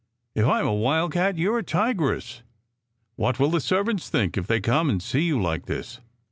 " If I m a wild cat, you re a tigress. What will the servants think if they come and see you like this?"